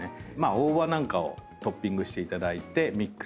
大葉なんかをトッピングしていただいてミックスした物です。